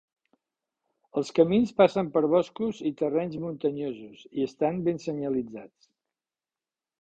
Els camins passen per boscos i terrenys muntanyosos i estan ben senyalitzats.